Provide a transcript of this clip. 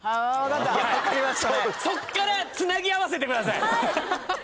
そっからつなぎ合わせてください。